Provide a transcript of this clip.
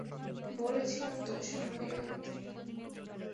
বলেছিলাম তো, সামলে রাখতে।